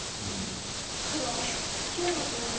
黒９の十八。